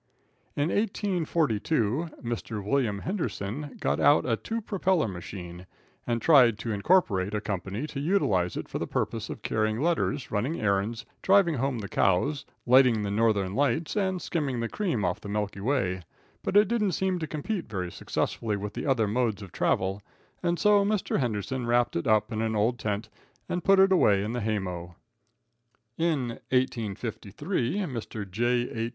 In 1842, Mr. William Henderson got out a "two propeller" machine, and tried to incorporate a company to utilize it for the purpose of carrying letters, running errands, driving home the cows, lighting the Northern Lights and skimming the cream off the Milky Way, but it didn't seem to compete very successfully with other modes of travel, and so Mr. Henderson wrapped it up in an old tent and put it away in the hay mow. In 1853, Mr. J.H.